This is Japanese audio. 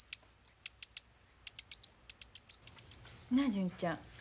なあ純ちゃん。